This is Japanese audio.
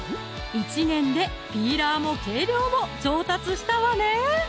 １年でピーラーも計量も上達したわね！